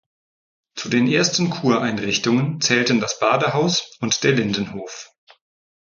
Zu den ersten Kureinrichtungen zählten das Badehaus und der „Lindenhof“.